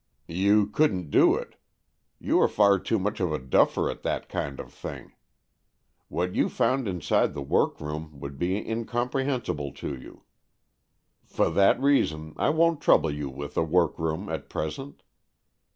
"You couldn't do it. You are far too much of a duffer at that kind of thing. What you found inside the workroom would be in comprehensible to you. For that reason I won't trouble you with the workroom at present.